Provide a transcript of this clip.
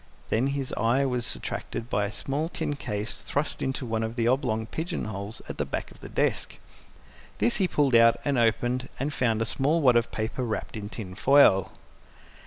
Then his eye was attracted by a small tin case thrust into one of the oblong pigeon holes at the back of the desk. This he pulled out and opened and found a small wad of paper wrapped in tin foil.